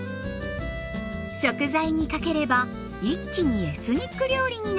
食材にかければ一気にエスニック料理になります。